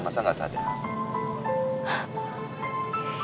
masa gak sadar